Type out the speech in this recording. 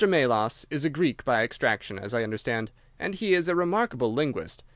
Melas is a Greek by extraction, as I understand, and he is a remarkable linguist.